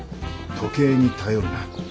時計に頼るな。